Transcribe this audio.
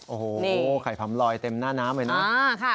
โอ้โหไข่ผำลอยเต็มหน้าน้ำเลยนะ